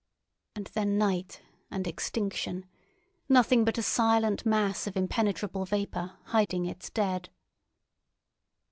And then night and extinction—nothing but a silent mass of impenetrable vapour hiding its dead.